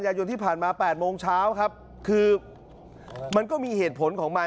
ยายนที่ผ่านมา๘โมงเช้าครับคือมันก็มีเหตุผลของมัน